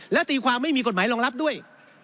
และตีความไม่มีกฎหมายรองรับด้วย